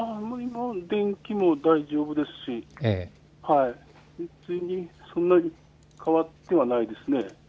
電気も大丈夫ですし、そんなに変わってはいないですね。